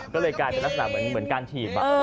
ก็เลยกลายเป็นลักษณะเหมือนการถีบ